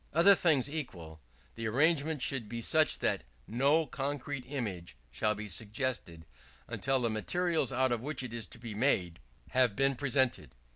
Other things equal, the arrangement should be such that no concrete image shall be suggested until the materials out of which it is to be made have been presented.